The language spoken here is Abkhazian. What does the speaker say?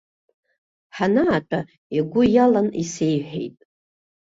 Ҳанаатәа, игәы иалан исеиҳәеит.